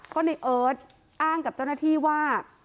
ก็ในเอิร์ทอ้างกับเจ้าหน้าที่ว่า